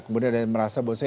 kemudian ada yang merasa bosnya